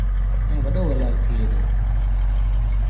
ائيٚݩ وڏو ولر ٿئي دو ۔